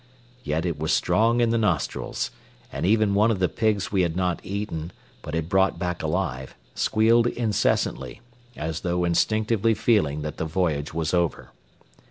Yet it was strong in the nostrils; and even one of the pigs we had not eaten, but had brought back alive, squealed incessantly, as though instinctively feeling that the voyage was over.